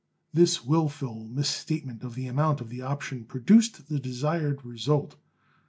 This willful misstatement of the amount of the option produced the desired result.